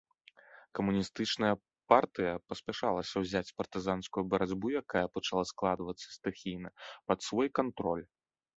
Камуністычная партыя паспяшалася ўзяць партызанскую барацьбу, якая пачала складвацца стыхійна, пад свой кантроль.